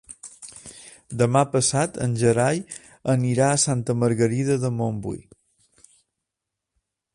Demà passat en Gerai anirà a Santa Margarida de Montbui.